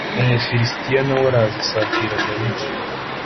Umufilisitiya na we araza asatira Dawidi